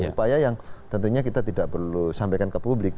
upaya yang tentunya kita tidak perlu sampaikan ke publik